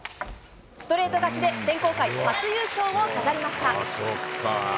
ストレート勝ちで、選考会初優勝を飾りました。